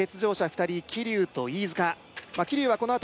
２人桐生と飯塚まあ